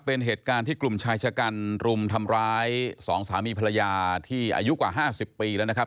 เป็นเหตุการณ์ที่กลุ่มชายชะกันรุมทำร้ายสองสามีภรรยาที่อายุกว่า๕๐ปีแล้วนะครับ